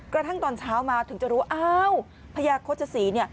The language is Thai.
กระทั่งตอนเช้ามาถึงจะรู้ว่าอ้าวพญาโฆษศรีเนี่ย